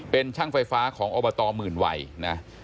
เป็นช่างไฟฟ้าของอบตหมื่นวัยนะ